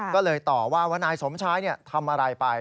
ก็เลยต่อว่าว่านายสมชายทำอะไรไป